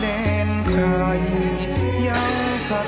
ทรงเป็นน้ำของเรา